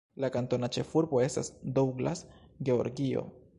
La kantona ĉefurbo estas Douglas, Georgio.